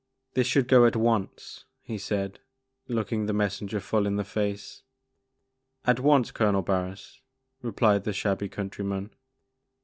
•* This should go at once,*' he said, looking the messenger full in the face. At once, Colonel Barris,'* replied the shabby countryman.